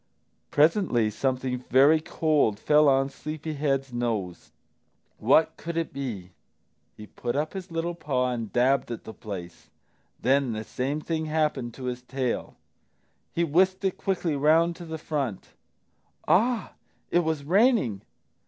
Presently something very cold fell on Sleepy head's nose. What could it be? He put up his little paw and dabbed at the place. Then the same thing happened to his tail. He whisked it quickly round to the front. Ah, it was raining!